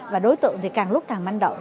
và đối tượng thì càng lúc càng manh động